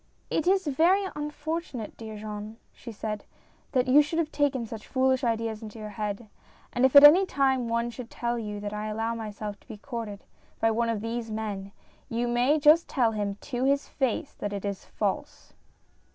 "It is very unfortunate, dear Jean," she said, "that you should have taken such foolish ideas into your head ; and if at any time any one should tell you that I allow myself to be courted by one of these men, you may just tell him, to his face, that it is false."